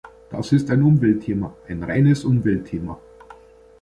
Das ist ein Umweltthema, ein reines Umweltthema.